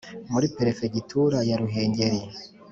muri perefegitura ya ruhengeri